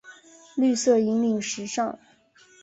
绿色引领时尚。